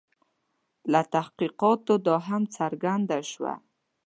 له تحقیقاتو دا هم څرګنده شوه.